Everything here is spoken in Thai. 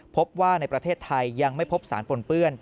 พบว่าในประเทศไทยยังไม่พบสารปนเปื้อน